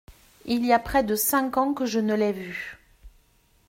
Il y a près de cinq ans que je ne l'ai vue.